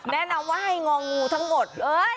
แนะนำว่าให้งองูทั้งหมด